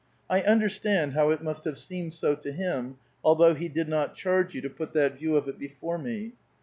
I understand how it must have seemed so to him, although he did not charge you to put that view of it before me.